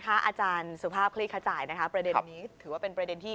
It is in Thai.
อาจารย์สุภาพคลี่ขจายนะคะประเด็นนี้ถือว่าเป็นประเด็นที่